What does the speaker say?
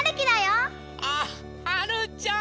あっはるちゃん！